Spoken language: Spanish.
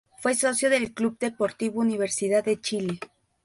Fue socio del Club Deportivo Universidad de Chile.